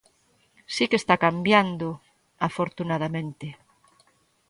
Si que está cambiando, afortunadamente.